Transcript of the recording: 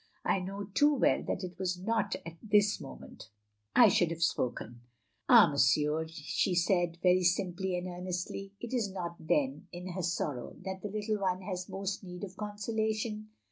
I know too well that it was not at this moment I should have spoken. " "Ah, monsieur," she said, very simply and OP GROSVENOR SQUARE 357 earnestly, "is it not then, in her sorrow, that the little one has most need of consolation?"